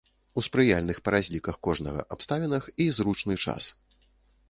У спрыяльных, па разліках кожнага, абставінах і зручны час.